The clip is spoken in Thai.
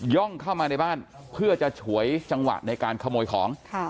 ่องเข้ามาในบ้านเพื่อจะฉวยจังหวะในการขโมยของ